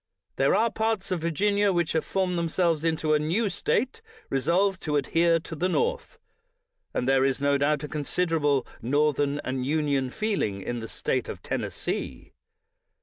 There are parts of Virginia which have formed themselves into a new State, re solved to adhere to the North; and there is no doubt a considerable Northern and Union feel ing in the State of Tennessee.